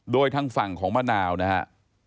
โดยทางฝั่งของมะนาวนะฮะ